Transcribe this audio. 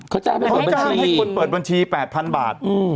เขาจ้างให้คนเปิดบัญชี๘๐๐๐บาท